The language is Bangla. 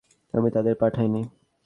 আমি তাদের পাঠাইনি।